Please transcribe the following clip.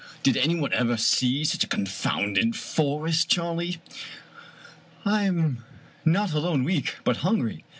Did anyone ever see such a confounded forest, Charley?" " I am not alone weak, but hungry.